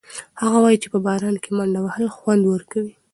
هغه وایي چې په باران کې منډه وهل خوند ورکوي.